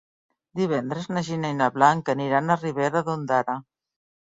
Divendres na Gina i na Blanca aniran a Ribera d'Ondara.